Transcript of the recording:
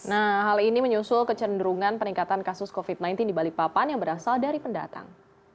nah hal ini menyusul kecenderungan peningkatan kasus covid sembilan belas di balikpapan yang berasal dari pendatang